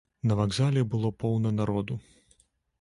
На вакзале было поўна народу.